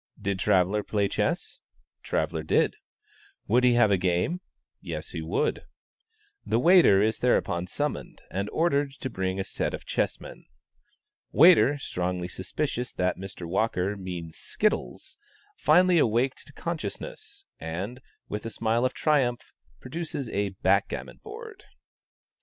"Did Traveller play chess?" Traveller did. "Would he have a game?" Yes, he would. The waiter is thereupon summoned, and ordered to bring in a set of chessmen. Waiter, strongly suspicious that Mr. Walker means skittles, finally awaked to consciousness, and, with a smile of triumph, produces a backgammon board.